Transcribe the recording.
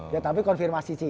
ya tapi konfirmasi si